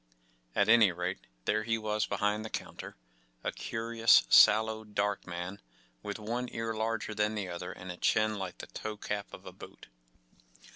At any rate, there he was behind the counter—a curious, sallow, dark man, with one ear larger than the other and a chin like the toe cap of a boot.